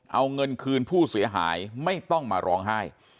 เอาเงินคืนผู้เสียหายไม่ต้องมาร้องไห้